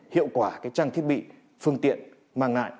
hiệu quả trang thiết bị phương tiện mang lại